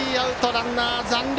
ランナー残塁。